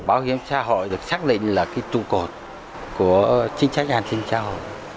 bảo hiểm xã hội được xác định là cái trụ cột của chính sách hành trình xã hội